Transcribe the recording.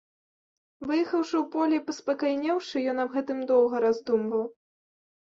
Выехаўшы ў поле і паспакайнеўшы, ён аб гэтым доўга раздумваў.